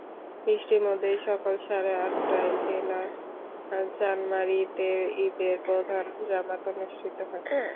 বৃষ্টির মধ্যেই সকাল সাড়ে আটটায় জেলার চানমারিতে ঈদের প্রধান জামাত অনুষ্ঠিত হয়।